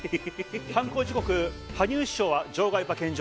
犯行時刻羽生師匠は場外馬券場。